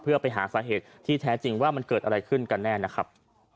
เพื่อไปหาสาเหตุที่แท้จริงว่ามันเกิดอะไรขึ้นกันแน่นะครับ